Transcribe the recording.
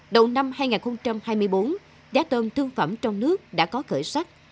đầu năm hai nghìn hai mươi bốn giá tôm thương phẩm trong nước đã có khởi sắc